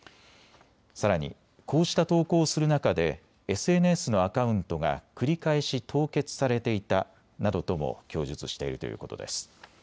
さらに、こうした投稿をする中でＳＮＳのアカウントが繰り返し凍結されていたなどとも供述しているということです。